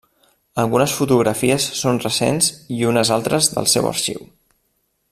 Algunes fotografies són recents i unes altres del seu arxiu.